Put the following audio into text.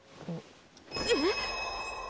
えっ？